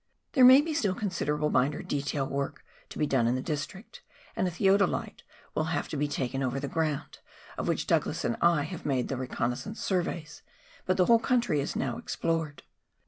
There may be still considerable minor detail work to be done in the district, and a theodolite will have to be taken over the ground, of which Douglas and I have made reconnaissance surveys, but the whole country is now explored.